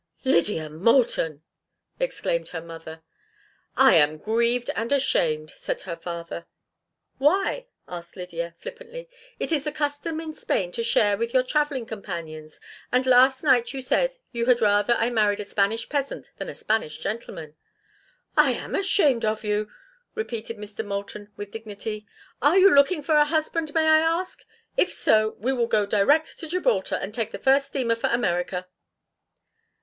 "Lydia Moulton!" exclaimed her mother. "I am grieved and ashamed," said her father. "Why?" asked Lydia, flippantly. "It is the custom in Spain to share with your travelling companions, and last night you said you had rather I married a Spanish peasant than a Spanish gentleman." "I am ashamed of you!" repeated Mr. Moulton, with dignity. "Are you looking for a husband, may I ask? If so, we will go direct to Gibraltar and take the first steamer for America."